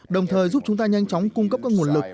đồng thời giúp chúng ta nhanh chóng cung cấp các nguồn lực